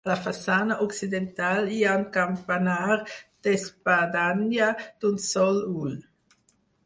A la façana occidental hi ha un campanar d'espadanya d'un sol ull.